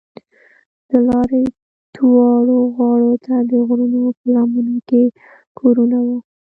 د لارې دواړو غاړو ته د غرونو په لمنو کې کورونه وو.